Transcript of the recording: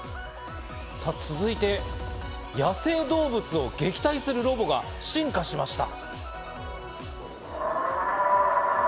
さぁ続いて野生動物を撃退するロボが進化しました。